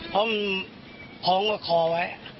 เพราะมันพ้องกับคอไว้